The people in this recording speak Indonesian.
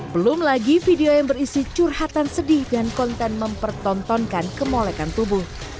belum lagi video yang berisi curhatan sedih dan konten mempertontonkan kemolekan tubuh